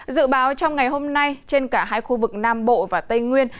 dự báo trong ngày hôm nay trên cả hai khu vực nam bộ và tây nguyên